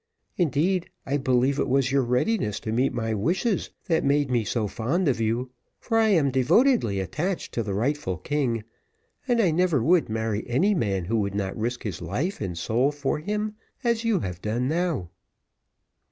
Indeed, I believe it was your readiness to meet my wishes that made me so fond of you, for I am devotedly attached to the rightful king, and I never would marry any man who would not risk life and soul for him, as you have done now."